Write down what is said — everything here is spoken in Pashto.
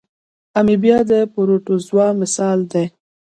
امیبا د پروټوزوا مثال دی